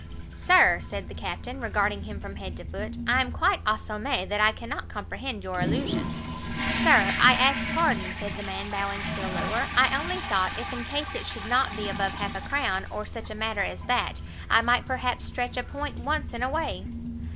"Sir!" said the Captain, regarding him from head to foot, "I am quite assommé that I cannot comprehend your allusion." "Sir, I ask pardon," said the man, bowing still lower, "I only thought if in case it should not be above half a crown, or such a matter as that, I might perhaps stretch a point once in a way."